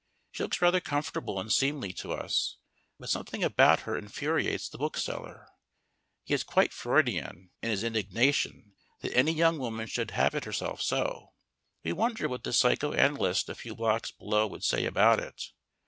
She looks rather comfortable and seemly to us, but something about her infuriates the bookseller. He is quite Freudian in his indignation that any young woman should habit herself so. We wonder what the psycho analyst a few blocks below would say about it.